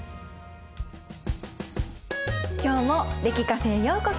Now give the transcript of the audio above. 今日も歴Ｃａｆｅへようこそ。